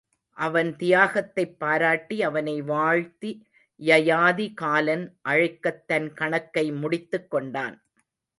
அவன் தியாகத்தைப் பாராட்டி அவனை வாழ்த்தி யயாதி காலன் அழைக்கத் தன் கணக்கை முடித்துக் கொண்டான்.